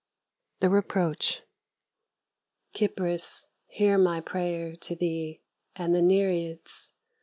THE REPROACH Kypris, hear my prayer to thee and the Nereids!